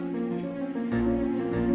malah itu ususnya